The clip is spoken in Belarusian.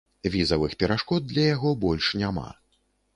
Візавых перашкод для яго больш няма.